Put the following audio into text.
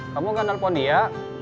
kamu gak nelfon dia